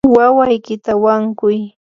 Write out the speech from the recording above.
wawaykita wankuy.